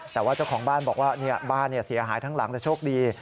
แต่ว่าเจ้าของบ้านบอกว่าบ้านเสียหายทั้งหลังแต่โชคดี